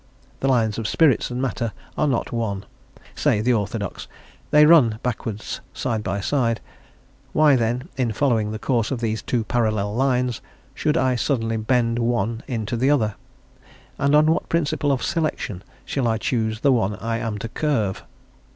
The lines of spirit and matter are not one, say the orthodox; they run backwards side by side; why then, in following the course of these two parallel lines, should I suddenly bend one into the other? and on what principle of selection shall I choose the one I am to curve?